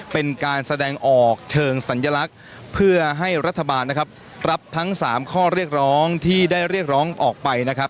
เป็นการแสดงออกเชิงสัญลักษณ์เพื่อให้รัฐบาลนะครับรับทั้ง๓ข้อเรียกร้องที่ได้เรียกร้องออกไปนะครับ